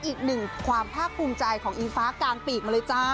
อีกหนึ่งความภาคภูมิใจของอิงฟ้ากลางปีกมาเลยจ้า